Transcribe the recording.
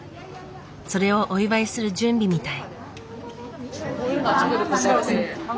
それをお祝いする準備みたい。